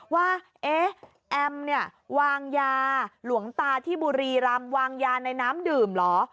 ว่าเอ๊ะแอมเนี่ยวางยาหลวงตาที่บุรีรำวางยาในน้ำดื่มเหรอ